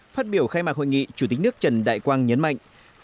phát biểu khai mạc hội nghị chủ tịch nước trần đại quang nhấn mạnh